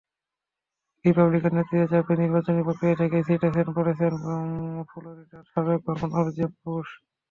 Republican নেতৃত্বের চাপেই নির্বাচনী প্রক্রিয়া থেকে ছিটকে পড়েছেন ফ্লোরিডার সাবেক গভর্নর জেব বুশ।